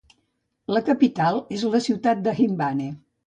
La capital és la ciutat d'Inhambane.